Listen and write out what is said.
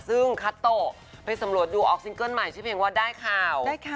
ซึ่งคัตโตะไปสำรวจดูออกซิงเกิ้ลใหม่ชื่อเพลงว่าได้ข่าว